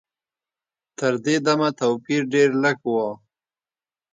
تر دې دمه توپیر ډېر لږ و.